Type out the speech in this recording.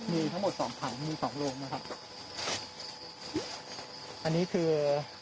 มีทั้งหมดสองผันมีสองโรงนะครับอันนี้คือ